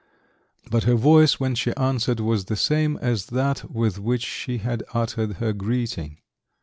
But her voice when she answered was the same as that with which she had uttered her greeting.